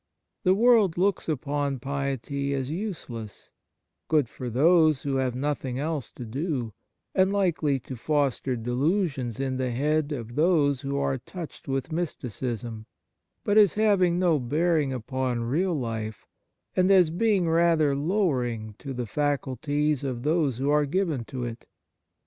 The world looks upon piety as useless, good for those who have nothing else to do, and likely to foster delusions in the heads of those who are touched with mysticism, but as having no bearing upon real life, On Piety and as being rather lowering to the faculties of those who are given to it.